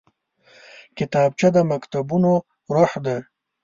کتابچه د مکتبونو روح ده